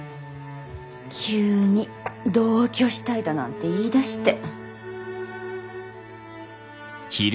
急に同居したいだなんて言いだして。